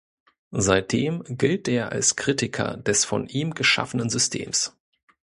Seitdem gilt er als Kritiker des von ihm geschaffenen Systems.